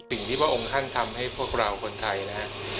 สิ่งที่พระองค์ท่านทำให้พวกเราคนไทยนะฮะ